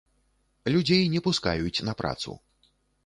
Людзей не пускаюць на працу.